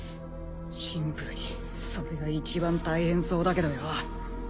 シンプルにそれがいちばん大変そうだけどよ。